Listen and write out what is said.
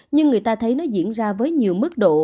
nhưng người ta thấy nó diễn ra với nhiều mức độ